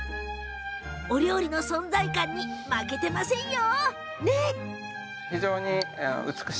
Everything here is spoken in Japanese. お料理の存在感に負けてませんよ。